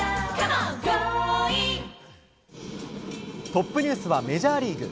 トップニュースはメジャーリーグ。